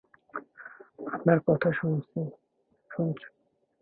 আমার কথা শুনছ?